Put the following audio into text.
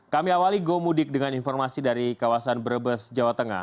kami awali gomudik dengan informasi dari kawasan brebes jawa tengah